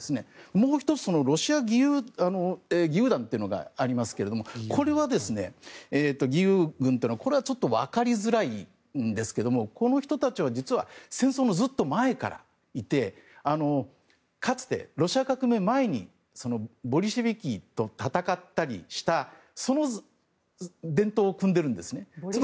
もう１つロシア義勇軍というのがありますけどこれ、義勇軍というのはちょっと分かりづらいんですがこの人たちは実は戦争のずっと前からいてかつてロシア革命前にボルシェビキと戦ったりしたその伝統を組んでいるんですね。